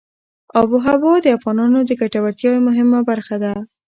آب وهوا د افغانانو د ګټورتیا یوه برخه ده.